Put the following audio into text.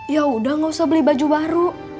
ya udah gak usah beli baju baru